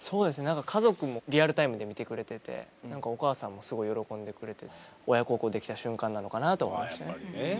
家族もリアルタイムで見てくれてて何かお母さんもすごい喜んでくれて親孝行できた瞬間なのかなと思いましたね。